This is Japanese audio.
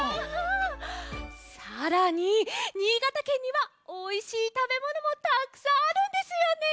さらに新潟県にはおいしいたべものもたくさんあるんですよね？